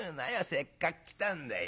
せっかく来たんだい。